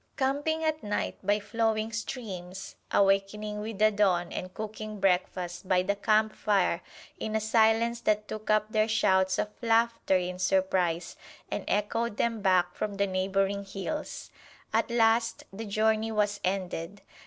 Camping at night by flowing streams, awakening with the dawn and cooking breakfast by the campfire in a silence that took up their shouts of laughter in surprise, and echoed them back from the neighboring hills! At last the journey was ended.